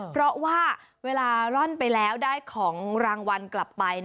เพราะว่าเวลาร่อนไปแล้วได้ของรางวัลกลับไป